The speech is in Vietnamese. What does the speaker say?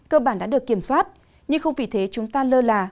cơ bản đã được kiểm soát nhưng không vì thế chúng ta lơ là